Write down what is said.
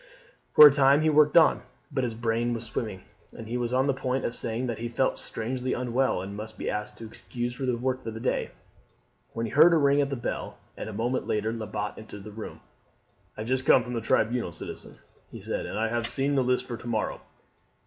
For a time he worked on; but his brain was swimming, and he was on the point of saying that he felt strangely unwell, and must ask to be excused his work for that day, when he heard a ring at the bell, and a moment later Lebat entered the room. "I have just come from the tribunal, citizen," he said, "and have seen the list for to morrow.